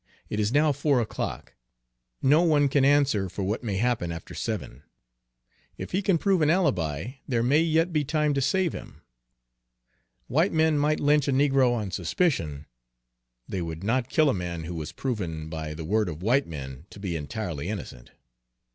It is now four o'clock; no one can answer for what may happen after seven. If he can prove an alibi, there may yet be time to save him. White men might lynch a negro on suspicion; they would not kill a man who was proven, by the word of white men, to be entirely innocent."